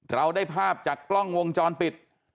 เราได้ภาพจากกล้องวงจรปิด